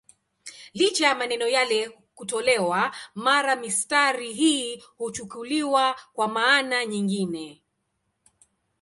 Licha ya maneno yale kutolewa, mara mistari hii huchukuliwa kwa maana nyingine.